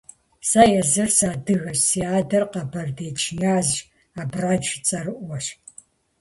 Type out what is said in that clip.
Сэ езыр сыадыгэщ, си адэр къэбэрдей джыназщ, абрэдж цӀэрыӀуэщ.